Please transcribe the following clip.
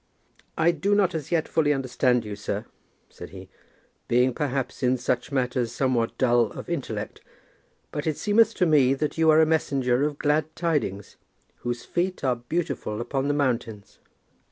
"I do not as yet fully understand you, sir," said he, "being perhaps in such matters somewhat dull of intellect, but it seemeth to me that you are a messenger of glad tidings, whose feet are beautiful upon the mountains."